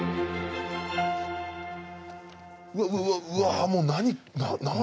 うわうわうわうわ